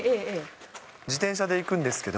自転車で行くんですけど。